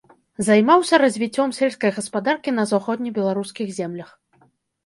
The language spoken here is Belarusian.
Займаўся развіццём сельскай гаспадаркі на заходнебеларускіх землях.